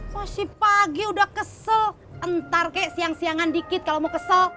posisi pagi udah kesel ntar kek siang siangan dikit kalau mau kesel